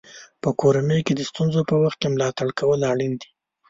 په کورنۍ کې د ستونزو په وخت کې ملاتړ کول اړین دي.